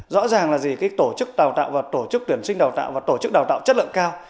rõ ràng là gì tổ chức đào tạo và tổ chức tuyển sinh đào tạo và tổ chức đào tạo chất lượng cao